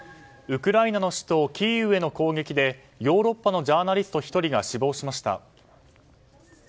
ウクライナの首都キーウへの攻撃でヨーロッパのジャーナリスト１人が死亡しました。